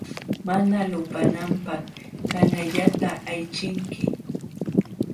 Mana lupananpaq kallanata aychinki.